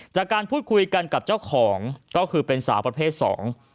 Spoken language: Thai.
จากการพูดคุยกันกับเจ้าของก็คือเป็นสาวประเภทสอง